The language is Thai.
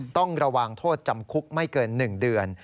ต้องระวังโทษจำคุกไม่เกิน๑เดือน